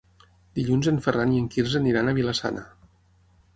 Dilluns en Ferran i en Quirze aniran a Vila-sana.